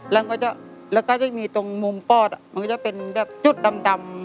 แล้วก็จะมีตรงมุมปอดมันก็จะเป็นแบบจุดดำ